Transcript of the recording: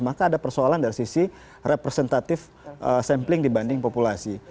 maka ada persoalan dari sisi representatif sampling dibanding populasi